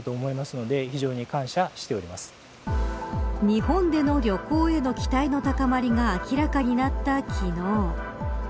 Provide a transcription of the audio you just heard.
日本での旅行への期待の高まりが明らかになった昨日。